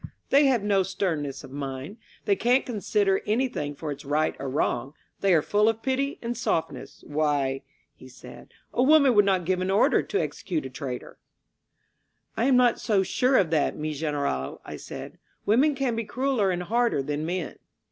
They have no stern ness of mind. They can't consider anything for its right or wrong. They are full of pity and softness. Why," he said, a woman would not give an order to execute a traitor." "I am not so sure of that, mi General^ I said. Women can be crueller and harder than men."